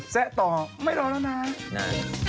แซะต่อไม่รอแล้วนะไหน